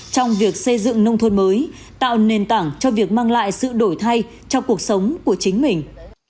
trong việc xây dựng nông thôn mới tạo nền tảng cho việc mang lại sự đổi thay trong cuộc sống của chính mình